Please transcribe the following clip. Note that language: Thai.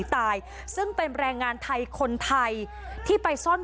และก็จับกลุ่มฮามาสอีก๒๖คน